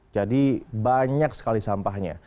jadi banyak sekali sampahnya